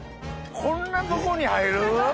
こんなとこに入る？